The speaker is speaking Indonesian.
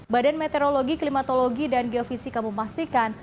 badan meteorologi klimatologi dan geofisika memastikan